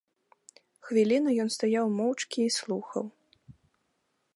Хвіліну ён стаяў моўчкі і слухаў.